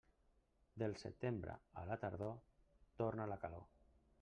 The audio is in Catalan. Del setembre a la tardor torna la calor.